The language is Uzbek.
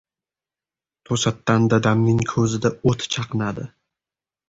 To‘satdan dadamning ko‘zida o‘t chaqnadi.